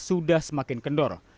sudah semakin kendor